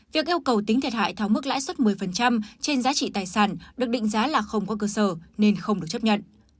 việc yêu cầu tính thiệt hại tháo mức lãi suất một mươi trên giá trị tài sản được định giá là không có cơ sở nên không được chấp nhận